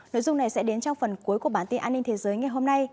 nội dung này sẽ đến trong phần cuối của bản tin an ninh thế giới ngày hôm nay